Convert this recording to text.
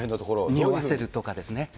匂わせるとかですね。